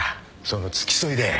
その付き添いで。